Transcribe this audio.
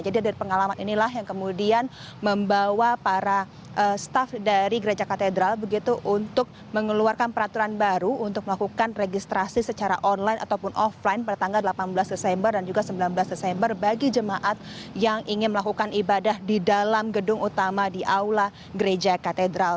jadi dari pengalaman inilah yang kemudian membawa para staff dari gereja katedral begitu untuk mengeluarkan peraturan baru untuk melakukan registrasi secara online ataupun offline pada tanggal delapan belas desember dan juga sembilan belas desember bagi jemaat yang ingin melakukan ibadah di dalam gedung utama di aula gereja katedral